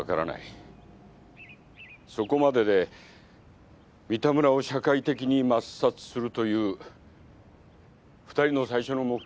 そこまでで三田村を社会的に抹殺するという２人の最初の目的は果たせたはずだ。